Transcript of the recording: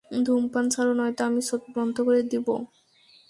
ধূমপান ছাড়ো, নয়ত আমি ছবি বন্ধ করে দিবো!